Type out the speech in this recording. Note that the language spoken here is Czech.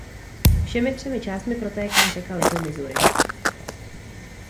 Všemi třemi částmi protéká řeka "Little Missouri".